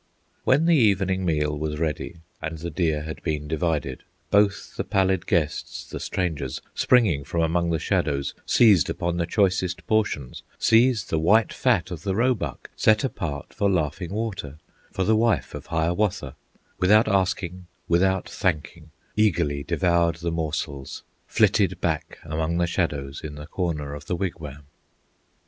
When the evening meal was ready, And the deer had been divided, Both the pallid guests, the strangers, Springing from among the shadows, Seized upon the choicest portions, Seized the white fat of the roebuck, Set apart for Laughing Water, For the wife of Hiawatha; Without asking, without thanking, Eagerly devoured the morsels, Flitted back among the shadows In the corner of the wigwam.